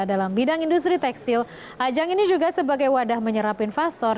dalam bidang industri tekstil ajang ini juga sebagai wadah menyerap investor